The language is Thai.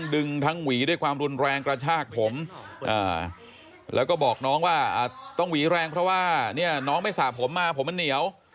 ดึงทั้งหวีด้วยความรุนแรงกระชากผมแล้วก็บอกน้องว่าต้องหวีแรงเพราะว่าเนี่ยน้องไม่สระผมมาผมมันเหนียว